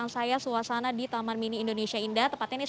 ini seramai apa suasana taman mini indonesia indah siang ini